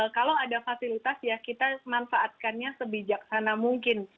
kalau ada fasilitas ya kita manfaatkannya sebijaksana mungkin